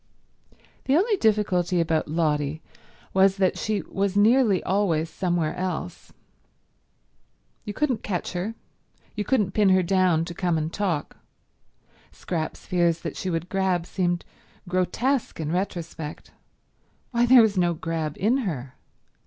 The only difficulty about Lotty was that she was nearly always somewhere else. You couldn't catch her; you couldn't pin her down to come and talk. Scrap's fears that she would grab seemed grotesque in retrospect. Why, there was no grab in her.